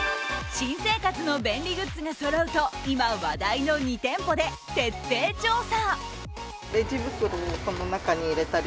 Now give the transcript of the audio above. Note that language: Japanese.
新生活の便利グッズがそろうと今話題の２店舗で徹底調査。